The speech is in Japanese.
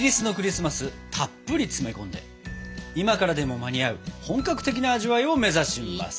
今からでもまだ間に合う本格的な味わいを目指します！